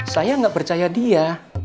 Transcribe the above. saya nggak percaya dia